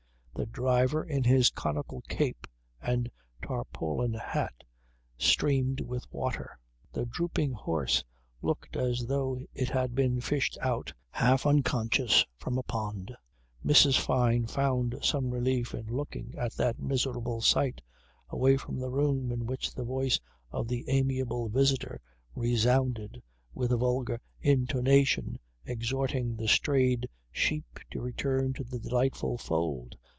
The driver in his conical cape and tarpaulin hat, streamed with water. The drooping horse looked as though it had been fished out, half unconscious, from a pond. Mrs. Fyne found some relief in looking at that miserable sight, away from the room in which the voice of the amiable visitor resounded with a vulgar intonation exhorting the strayed sheep to return to the delightful fold.